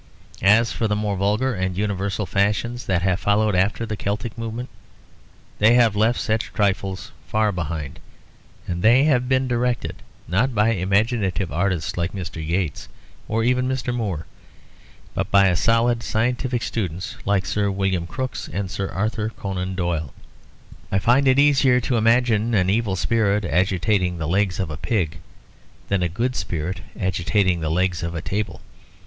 As for the more vulgar and universal fashions that have followed after the Celtic movement, they have left such trifles far behind. And they have been directed not by imaginative artists like Mr. Yeats or even Mr. Moore, but by solid scientific students like Sir William Crookes and Sir Arthur Conan Doyle. I find it easier to imagine an evil spirit agitating the legs of a pig than a good spirit agitating the legs of a table.